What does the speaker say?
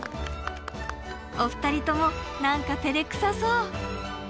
お二人とも何かてれくさそう。